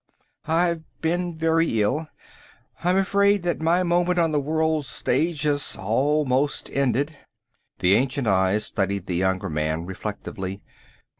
"I've been very ill. I'm afraid that my moment on the world's stage has almost ended." The ancient eyes studied the younger man reflectively.